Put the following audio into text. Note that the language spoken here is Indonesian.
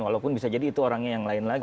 walaupun bisa jadi itu orangnya yang lain lagi